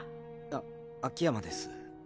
あ秋山です。